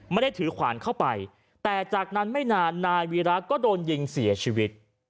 ไม่ได้ถือขวานเข้าไปแต่จากนั้นไม่นานนายวีระก็โดนยิงเสียชีวิต